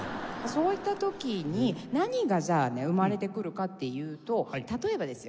そういった時に何がじゃあね生まれてくるかっていうと例えばですよ